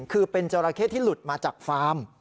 คือเป็นจราเข้ที่หลุดมาจากฟาร์ม